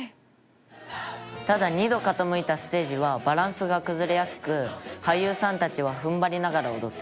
「ただ２度傾いたステージはバランスが崩れやすく俳優さんたちは踏ん張りながら踊っています」